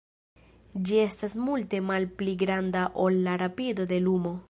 Ĝi estas multe malpli granda ol la rapido de lumo.